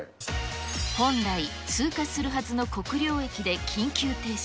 本来、通過するはずの国領駅で緊急停車。